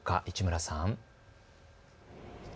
市村さん。